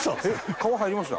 川入りました？